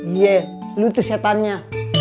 iya lu tuh setannya